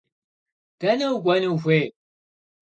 Дэнэ укӏуэну ухуей?